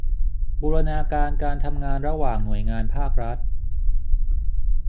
บูรณาการการทำงานระหว่างหน่วยงานภาครัฐ